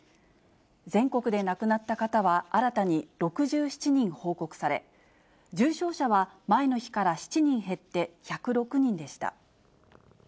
全国で亡くなった方は新たに６７人報告され、重症者は前の日から７人減って１０６人でした。